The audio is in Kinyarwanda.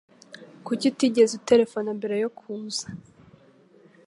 Kuki utigeze uterefona mbere yo kuza?